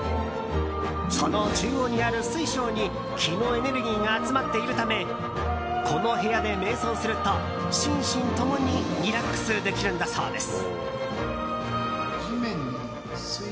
その中央にある水晶に気のエネルギーが集まっているためこの部屋で瞑想すると心身ともにリラックスできるんだそうです。